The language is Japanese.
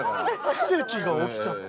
奇跡が起きちゃって。